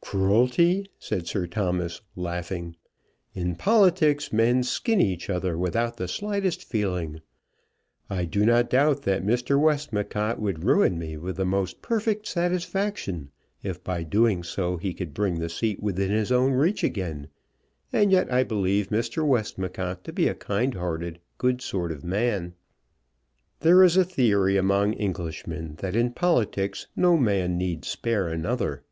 "Cruelty!" said Sir Thomas laughing. "In politics men skin each other without the slightest feeling. I do not doubt that Mr. Westmacott would ruin me with the most perfect satisfaction, if by doing so he could bring the seat within his own reach again; and yet I believe Mr. Westmacott to be a kind hearted, good sort of man. There is a theory among Englishmen that in politics no man need spare another.